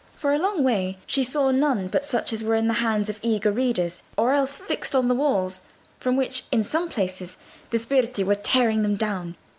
For a long way she saw none but such as were in the hands of eager readers, or else fixed on the walls, from which in some places the sbirri were tearing them down.